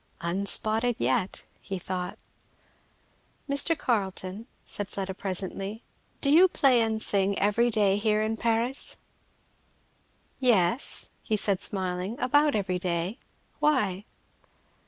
"Unspotted" yet, he thought. "Mr. Carleton," said Fleda presently, "do you play and sing every day here in Paris?" "Yes," said he smiling, "about every day. Why?"